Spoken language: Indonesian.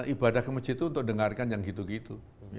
ibadah ke masjid itu untuk dengarkan yang gitu gitu